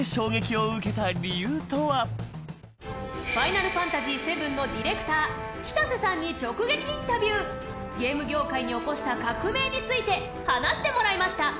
『ファイナルファンタジーⅦ』のディレクター北瀬さんに直撃インタビューゲーム業界に起こした革命について話してもらいました